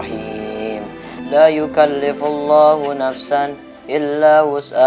nah kalau kamu sekaligus memohon berharga